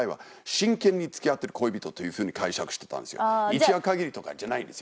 一夜限りとかじゃないですよ。